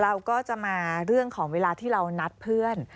เราก็จะมาเรื่องของเวลาที่เรานัดเพื่อน